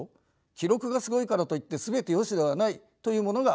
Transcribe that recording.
記録がすごいからといって全て良しではない」というものがあった。